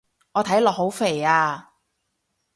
我睇落好肥啊